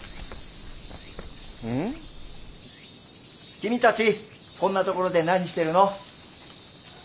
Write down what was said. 君たちこんなところで何してるの？